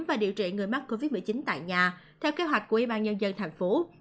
và điều trị người mắc covid một mươi chín tại nhà theo kế hoạch của ủy ban nhân dân thành phố